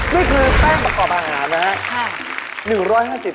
นี่คือแป้งบัตรกอบอาหารนะฮะค่ะ